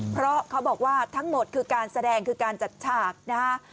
เพราะเขาบอกว่าทั้งหมดคือการแสดงคือการจัดฉากนะฮะ